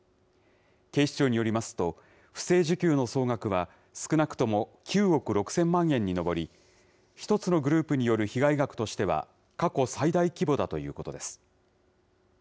警視庁によりますと、不正受給の総額は、少なくとも９億６０００万円に上り、１つのグループによる被害額としては、過去最大規模だということです。